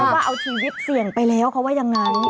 ว่าเอาทีวิทย์เสี่ยงไปแล้วเขาว่ายังไง